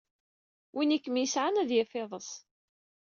Win i kem-yesɛan ad yaf iḍes.